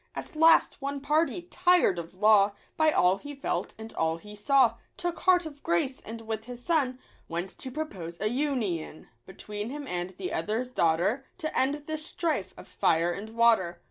At last one party, tired of law By all he felt and all he saw, Took heart of grace, and with his son Went to propose a union Between him and the other's daughter, To end this strife of fire and water.